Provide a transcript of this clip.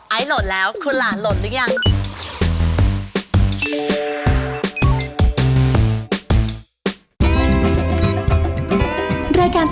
โหลดแล้วคุณหลานโหลดหรือยัง